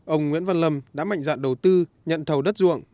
ông nguyễn văn lâm đã mạnh dạn đầu tư nhận thầu đất ruộng